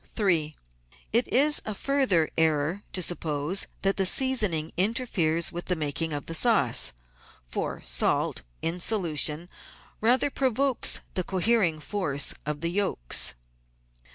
3. It is a further error to suppose that the seasoning inter feres with the making of the sauce, for salt, in solution, rather provokes the cohering force of the yolks.